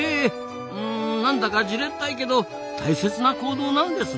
うんなんだかじれったいけど大切な行動なんですな。